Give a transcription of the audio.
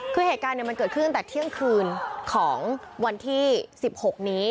คือเหตุการณ์มันเกิดขึ้นตั้งแต่เที่ยงคืนของวันที่๑๖นี้